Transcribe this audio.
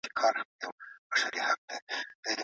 په پښتو کي د مینې داستانونه ډېر په زړه پوري دي